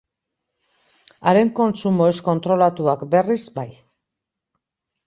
Haren kontsumo ez kontrolatuak, berriz, bai.